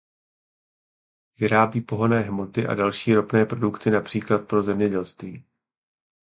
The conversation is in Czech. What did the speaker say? Vyrábí pohonné hmoty a další ropné produkty například pro zemědělství.